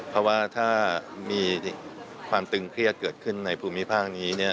เพราะว่าถ้ามีความตึงเครียดเกิดขึ้นในภูมิภาคนี้